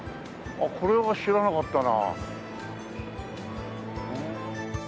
これは知らなかったな。